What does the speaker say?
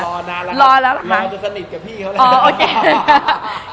รอรอนานแล้วค่ะรอแล้วสนิทกับพี่เค้าแล้ว